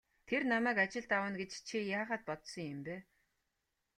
Тэр намайг ажилд авна гэж чи яагаад бодсон юм бэ?